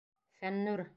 Фәннүр!